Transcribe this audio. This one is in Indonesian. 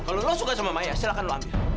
kalau lu suka sama maya silahkan lu ambil